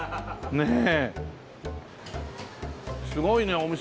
ねえ。